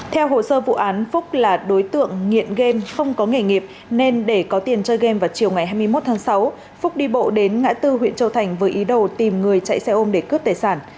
theo hồ sơ vụ án phúc là đối tượng nghiện game không có nghề nghiệp nên để có tiền chơi game vào chiều ngày hai mươi một tháng sáu phúc đi bộ đến ngã tư huyện châu thành với ý đồ tìm người chạy xe ôm để cướp tài sản